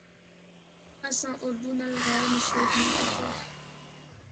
اساں اُردو نال غیر مشروط محبت اے۔